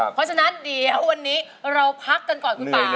เพราะฉะนั้นเดี๋ยววันนี้เราพักกันก่อนคุณป่า